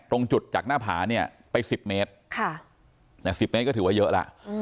ตรงจุดจากหน้าผาเนี่ยไป๑๐เมตร๑๐เมตรก็ถือว่าเยอะแล้ว